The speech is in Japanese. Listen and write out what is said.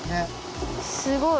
すごい！